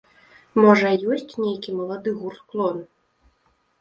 Можа, ёсць нейкі малады гурт-клон?